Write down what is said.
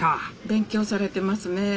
勉強されてますねえ。